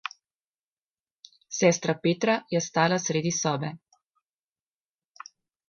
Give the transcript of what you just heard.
Sestra Petra je stala sredi sobe.